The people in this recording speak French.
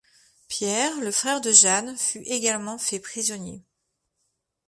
Pierre, le frère de Jeanne, fut également fait prisonnier.